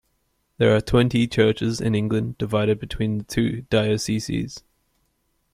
There are twenty churches in England, divided between the two dioceses.